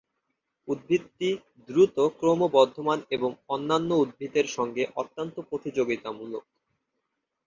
উদ্ভিদটি দ্রুত ক্রমবর্ধমান এবং অন্যান্য উদ্ভিদের সঙ্গে অত্যন্ত প্রতিযোগিতামূলক।